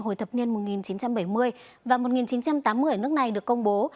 hồi thập niên một nghìn chín trăm bảy mươi và một nghìn chín trăm tám mươi ở nước này được công bố